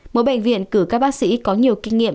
mỗi bệnh viện cử các bác sĩ có nhiều kinh nghiệm